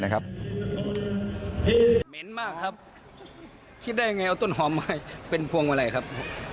ทั้งกันตีกันไม่ได้อะไรครับ